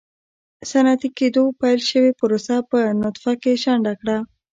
صنعتي کېدو پیل شوې پروسه په نطفه کې شنډه کړه.